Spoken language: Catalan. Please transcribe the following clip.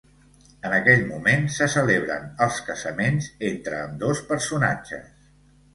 En aquell moment se celebren els casaments entre ambdós personatges.